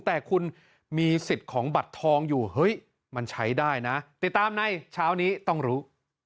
แต่คุณมีสิทธิ์ของบัตรทองอยู่เฮ้ยมันใช้ได้นะติดตามในเช้านี้ต้องรู้